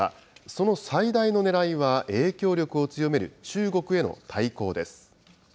その最大のねらいは影響力を強める中国への対抗です。